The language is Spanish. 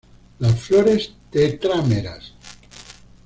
Las flores tetrámeras.